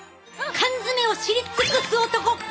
缶詰を知り尽くす男フ！